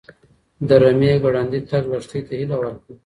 د رمه ګړندی تګ لښتې ته هیله ورکړه.